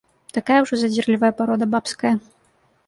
Такая ўжо задзірлівая парода бабская.